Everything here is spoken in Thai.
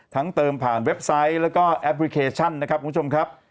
เติมผ่านเว็บไซต์แล้วก็แอปพลิเคชันนะครับคุณผู้ชมครับ